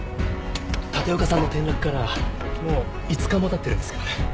立岡さんの転落からもう５日も経ってるんですけどね。